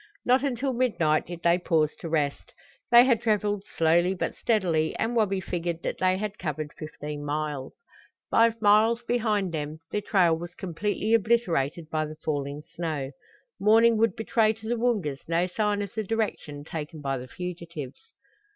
Not until midnight did they pause to rest. They had traveled slowly but steadily and Wabi figured that they had covered fifteen miles. Five miles behind them their trail was completely obliterated by the falling snow. Morning would betray to the Woongas no sign of the direction taken by the fugitives.